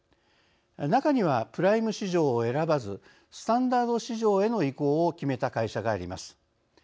中には、プライム市場を選ばずスタンダード市場への移行を決めた会社があります。